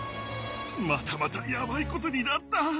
またまたやばいことになった。